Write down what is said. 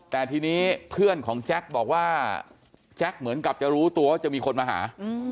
แต่ทีนี้เพื่อนของแจ็คบอกว่าแจ็คเหมือนกับจะรู้ตัวว่าจะมีคนมาหา